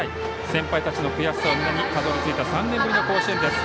先輩たちの悔しさを胸にたどり着いた３年ぶりの甲子園です。